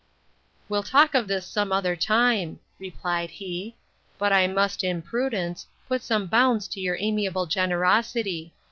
We'll talk of this some other time, replied he; but I must, in prudence, put some bounds to your amiable generosity.